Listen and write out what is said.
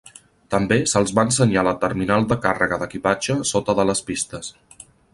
També se'ls va ensenyar la Terminal de Càrrega d'Equipatge sota de les pistes.